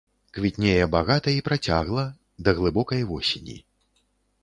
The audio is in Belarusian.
Квітнее багата і працягла да глыбокай восені.